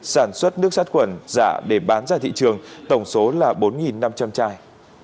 sản xuất nước sắt quần giả để bán ra thị trường tổng số là bốn năm trăm linh chai